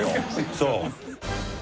そう。